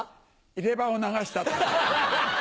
入れ歯を流した時。